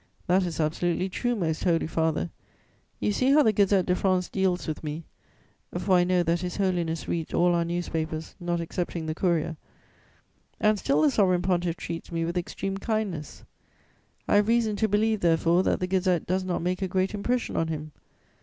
"'That is absolutely true, Most Holy Father: you see how the Gazette de France deals with me,' for I know that His Holiness reads all our newspapers, not excepting the Courrier 'and still the Sovereign Pontiff treats me with extreme kindness; I have reason to believe, therefore, that the Gazette does not make a great impression on him.'